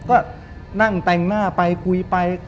ก็นั่งแต่งหน้าไปคุยไป